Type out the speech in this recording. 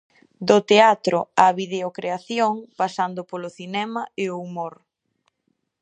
Do teatro á videocreación, pasando polo cinema e o humor.